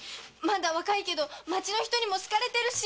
若いけど町の人にも好かれてるし。